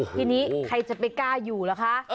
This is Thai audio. ทีนี้ใครจะไปกล้าอยู่ล่ะคะ